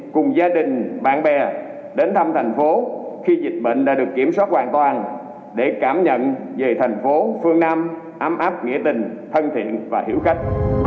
chúng tôi mong sẽ được đón tiếp các đồng chí quý vị và các anh chị cùng gia đình bạn bè đến thăm thành phố khi dịch bệnh đã được kiểm soát hoàn toàn để cảm nhận về thành phố phương nam ấm áp nghĩa tình thân thiện và hiểu khách